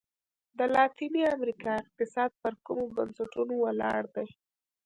د لاتیني امریکا اقتصاد پر کومو بنسټونو ولاړ دی؟